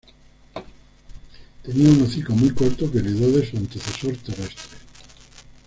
Tenía un hocico muy corto que heredó de su antecesor terrestres.